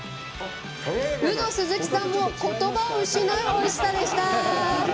ウド鈴木さんも言葉を失うおいしさでした。